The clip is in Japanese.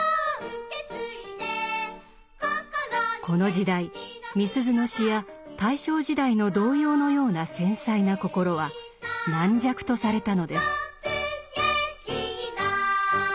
この時代みすゞの詩や大正時代の童謡のような繊細な心は軟弱とされたのです。